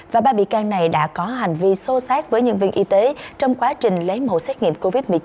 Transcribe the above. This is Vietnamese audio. và ba bị can này đã có hành vi sô sát với nhân viên y tế trong quá trình lấy mẫu xét nghiệm covid một mươi chín